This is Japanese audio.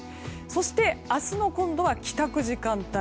そして明日の帰宅時間帯。